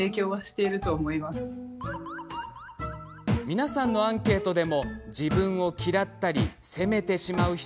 皆さんのアンケートでも自分を嫌ったり、責めてしまう人